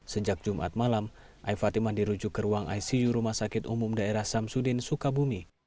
sejak jumat malam ai fatimah dirujuk ke ruang icu rumah sakit umum daerah samsudin sukabumi